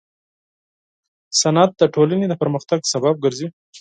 صنعت د ټولنې د پرمختګ سبب ګرځي.